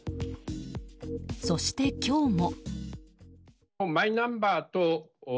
そして、今日も。